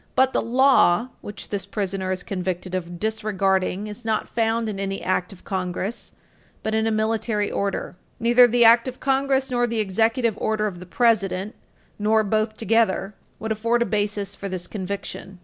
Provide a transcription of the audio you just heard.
But the "law" which this prisoner is convicted of disregarding is not found in an act of Congress, but in a military order. Neither the Act of Congress nor the Executive Order of the President, nor both together, would afford a basis for this conviction.